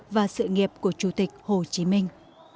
và sự nghiệp của chủ tịch hồ chí minh